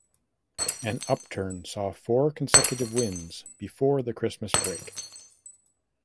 An upturn saw four consecutive wins before the Christmas break.